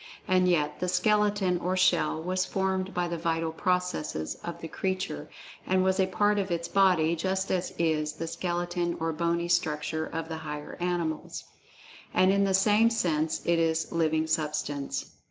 And yet, the skeleton, or shell, was formed by the vital processes of the creature, and was a part of its "body," just as is the skeleton or bony structure of the higher animals. And, in the same sense it is "living substance."